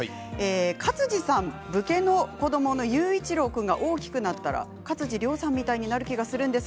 勝地さん、武家の子どもの佑一郎君が大きくなったら勝地涼さんみたいになるような気がします。